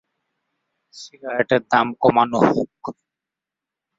বর্তমানে এলাকাটি Cardiff City কাউন্সিলের নিয়ন্ত্রণে রয়েছে।